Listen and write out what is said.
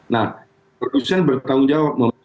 nah produsen bertanggung jawab